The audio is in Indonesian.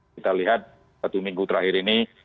kita lihat satu minggu terakhir ini